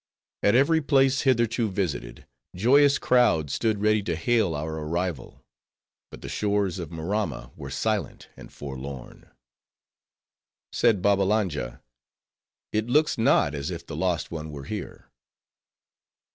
At every place, hitherto visited, joyous crowds stood ready to hail our arrival; but the shores of Maramma were silent, and forlorn. Said Babbalanja, "It looks not as if the lost one were here."